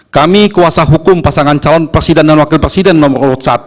kami kuasa hukum pasangan calon presiden dan wakil presiden nomor urut satu